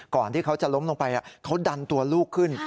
ที่เขาจะล้มลงไปเขาดันตัวลูกขึ้น